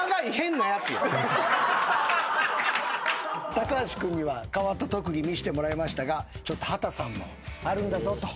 高橋君には変わった特技見せてもらいましたが畑さんもあるんだぞと。